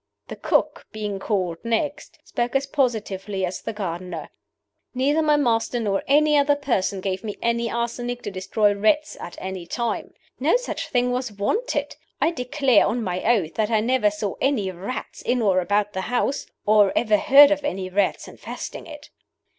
The cook, being called next, spoke as positively as the gardener: "Neither my master nor any other person gave me any arsenic to destroy rats at any time. No such thing was wanted. I declare, on my oath, that I never saw any rats in or about the house, or ever heard of any rats infesting it."